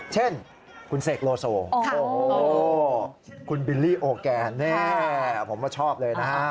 เช่นคุณเซกโลโสคุณบิลลี่โอแกนผมชอบเลยนะฮะ